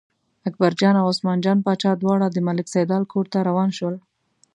اکبرجان او عثمان جان باچا دواړه د ملک سیدلال کور ته روان شول.